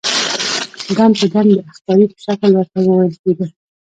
دم په دم د اخطارې په شکل ورته وويل کېدل.